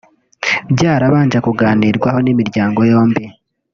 byarabanje kuganirwaho n’imiryango yombi